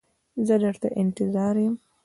زه در ته انتظار یم.